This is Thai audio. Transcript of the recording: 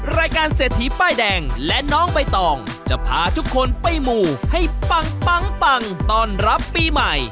รายการเศรษฐีป้ายแดงและน้องใบตองจะพาทุกคนไปหมู่ให้ปังปังต้อนรับปีใหม่